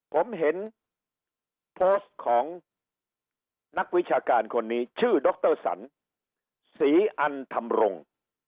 ผมเห็นโพสต์ของนักวิชาการคนนี้ชื่อดรสันศรีอันธรรมรงค์